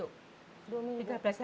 ini dua minggu besok